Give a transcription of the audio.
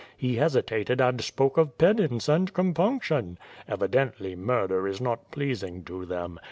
He hesitated and spoke of penance and compunction; evidently murder is not pleasing to them.